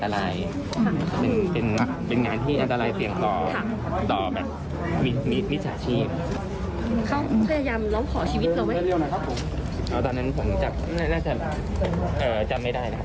แล้วเราได้สำเร็จไหมคะกับสิ่งที่เราทำ